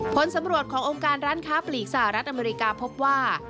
ผลสำรวจขององค์การร้านค้าปลีกสหรัฐอเมริกาพบว่า